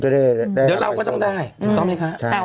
เดี๋ยวเราก็ต้องได้ถูกต้องไหมคะ